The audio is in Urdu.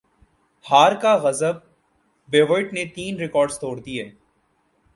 ہارکاغصہبیئونٹ نے تین ریکٹس توڑ دیئے